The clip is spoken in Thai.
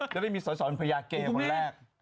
จะได้มีสอนพญาเกย์คนแรก